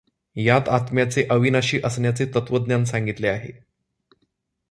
यात आत्म्याचे अविनाशी असण्याचे तत्त्वज्ञान सांगितले आहे.